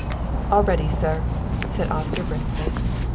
"All ready, sir;" said Oscar briskly.